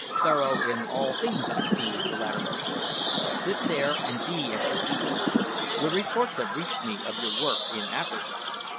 "Thorough in all things, I see," the latter observed. "Sit there and be at your ease. Good reports have reached me of your work in Africa."